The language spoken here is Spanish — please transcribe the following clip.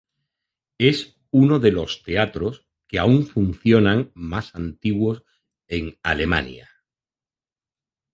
Es uno de los teatros que aún funcionan más antiguos en Alemania.